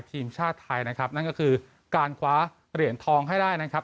ทีมชาติไทยนะครับนั่นก็คือการคว้าเหรียญทองให้ได้นะครับ